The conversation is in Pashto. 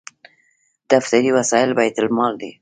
دفتري وسایل بیت المال دي